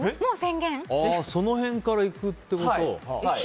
その辺からいくってこと。